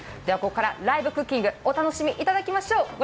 では、ここからライブクッキング、お楽しみいただきましょう。